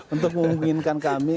untuk memungkinkan kami